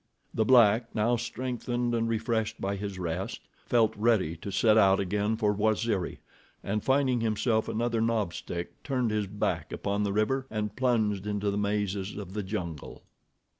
The black, now strengthened and refreshed by his rest, felt ready to set out again for Waziri, and finding himself another knob stick, turned his back upon the river and plunged into the mazes of the jungle.